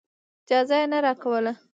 اجازه یې نه راکوله.